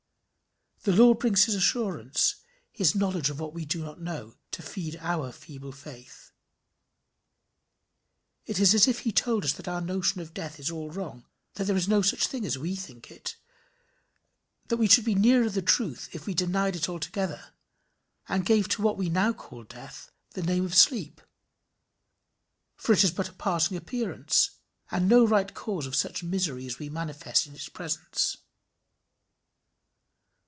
The Lord brings his assurance, his knowledge of what we do not know, to feed our feeble faith. It is as if he told us that our notion of death is all wrong, that there is no such thing as we think it; that we should be nearer the truth if we denied it altogether, and gave to what we now call death the name of sleep, for it is but a passing appearance, and no right cause of such misery as we manifest in its presence.